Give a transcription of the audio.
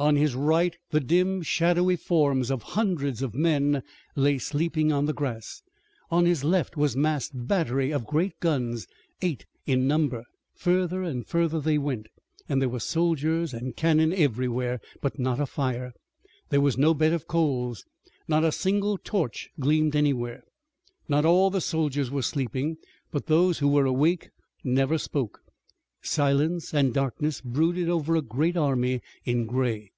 On his right the dim, shadowy forms of hundreds of men lay sleeping on the grass. On his left was a massed battery of great guns, eight in number. Further and further they went, and there were soldiers and cannon everywhere, but not a fire. There was no bed of coals, not a single torch gleamed anywhere. Not all the soldiers were sleeping, but those who were awake never spoke. Silence and darkness brooded over a great army in gray.